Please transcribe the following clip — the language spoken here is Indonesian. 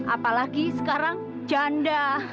apalagi sekarang janda